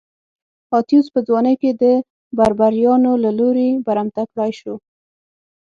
اتیوس په ځوانۍ کې د بربریانو له لوري برمته کړای شو